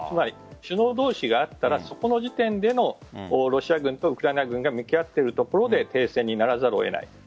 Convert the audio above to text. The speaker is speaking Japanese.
首脳同士が会ったらそこの時点でのロシア軍とウクライナ軍が向き合っているところで停戦にならざるを得ない。